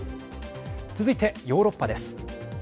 続いてヨーロッパです。